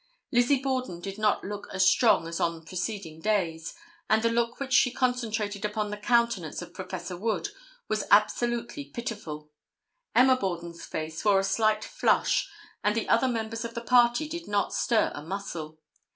Lizzie Borden did not look as strong as on preceding days, and the look which she concentrated upon the countenance of Prof. Wood was absolutely pitiful. Emma Borden's face wore a slight flush and the other members of the party did not stir a muscle.